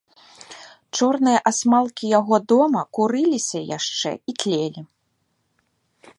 Чорныя асмалкі яго дома курыліся яшчэ і тлелі.